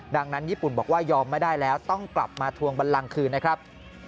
ดังนั้นญี่ปุ่นบอกว่ายอมไม่ได้แล้วต้องกลับมาทวงบันลังคืนนะครับ